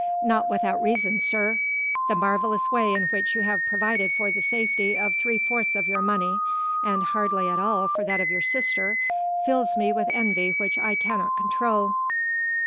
"Not without reason, sir. The marvellous way in which you have provided for the safety of three fourths of your money, and hardly at all for that of your sister, fills me with envy which I cannot control."